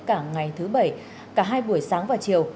cả ngày thứ bảy cả hai buổi sáng và chiều